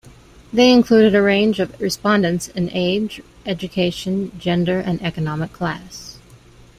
They included a range of respondents in age, education, gender, and economic class...